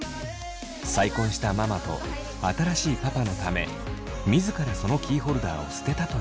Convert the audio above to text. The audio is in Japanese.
再婚したママと新しいパパのため自らそのキーホルダーを捨てたといいます。